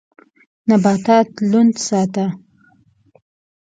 نباتات لند ساته.